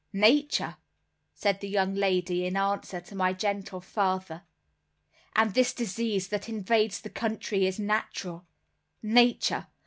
Nature!" said the young lady in answer to my gentle father. "And this disease that invades the country is natural. Nature.